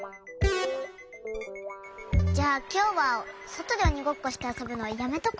じゃあきょうはそとでおにごっこしてあそぶのやめとこうか。